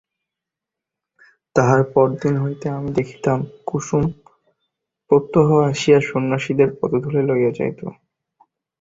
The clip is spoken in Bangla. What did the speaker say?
তাহার পরদিন হইতে আমি দেখিতাম কুসুম প্রত্যহ আসিয়া সন্ন্যাসীর পদধূলি লইয়া যাইত।